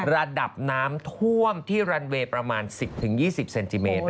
ระดับน้ำท่วมที่รันเวย์ประมาณ๑๐๒๐เซนติเมตร